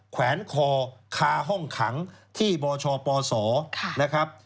แขวนคอคาห้องขังที่บชปศนะครับ